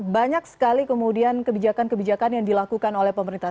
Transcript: banyak sekali kemudian kebijakan kebijakan yang dilakukan oleh pemerintah